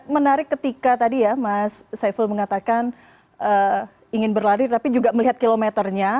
menarik ketika tadi ya mas saiful mengatakan ingin berlari tapi juga melihat kilometernya